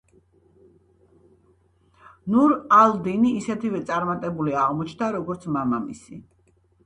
ნურ ალ-დინი ისეთივე წარმატებული აღმოჩნდა როგორც მამამისი.